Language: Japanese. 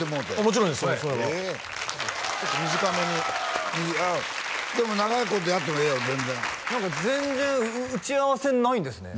ちょっと短めにあっでも長いことやってもええよ全然全然打ち合わせないんですね